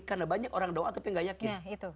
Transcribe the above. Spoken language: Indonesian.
karena banyak orang doa tapi gak yakin